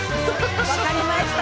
分かりました。